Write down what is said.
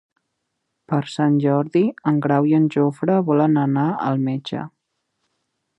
Per Sant Jordi en Grau i en Jofre volen anar al metge.